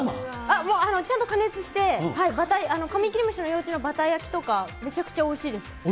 ちゃんと加熱して、カミキリムシの幼虫のバター焼きとか、めちゃくちゃおいしいです。